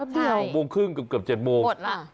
๖๓๐จนเกือบ๗โมง